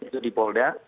itu di polda